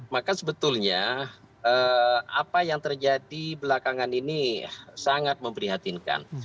maka sebetulnya apa yang terjadi belakangan ini sangat memprihatinkan